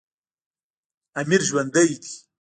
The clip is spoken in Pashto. امیر ژوندی دی.